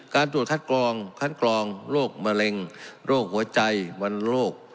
การตรวจคัดกรองคัดกรองโรคมะเร็งโรคหัวใจวันโรค